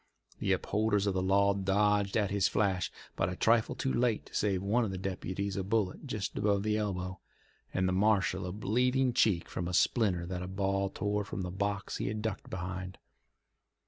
The upholders of the law dodged at his flash, but a trifle too late to save one of the deputies a bullet just above the elbow, and the marshal a bleeding cheek from a splinter that a ball tore from the box he had ducked behind.